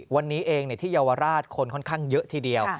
วันนี้เองที่เยาวราชคนค่อนข้างเยอะทีเดียว